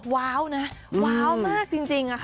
ว้าวนะว้าวมากจริงค่ะ